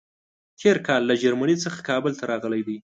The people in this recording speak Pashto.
تېر کال له جرمني څخه کابل ته راغلی دی.